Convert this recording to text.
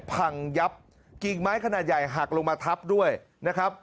พังยับกิ่งไม้ขนาดใหญ่หักลงมาทับด้วยนะครับ